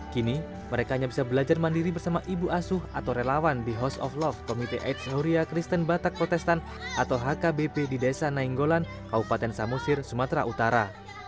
kini mereka hanya bisa belajar mandiri bersama ibu asuh atau relawan di house of love komite aids huria kristen batak protestan atau hkbp di desa nainggolan kabupaten samosir sumatera utara